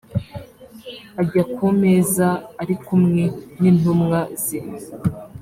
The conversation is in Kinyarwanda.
ajya ku meza ari kumwe n intumwa ze